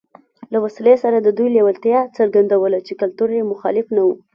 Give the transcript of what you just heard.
له وسلې سره د دوی لېوالتیا څرګندوله چې کلتور یې مخالف نه و